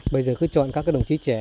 bây giờ cứ chọn các đồng chí trẻ